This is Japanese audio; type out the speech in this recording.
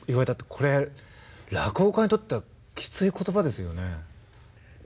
これ落語家にとってはきつい言葉ですよね。